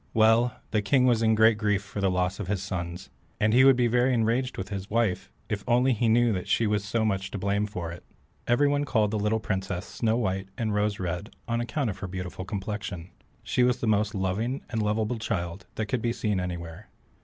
Well, the king was in great grief for the loss of his sons, and he would be very enraged with his wife if he only knew that she was so much to blame for it. Everyone called the little princess Snow white and Rose red on account of her beautiful complexion. She was the most loving and lovable child that could be seen anywhere.